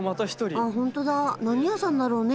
あホントだ何屋さんだろうね？